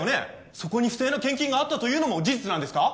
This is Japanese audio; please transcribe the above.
そこに不正な献金があったというのも事実なんですか？